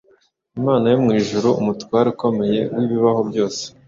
Imana yo mu ijuru, Umutware ukomeye w’ibibaho byose